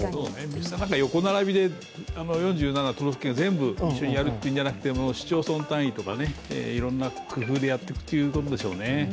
みんな横並びで４７都道府県全部やるっていうのではなくて市町村単位とか、いろんな工夫でやっていくということでしょうね。